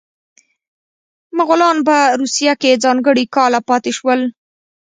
مغولان په روسیه کې ځانګړي کاله پاتې شول.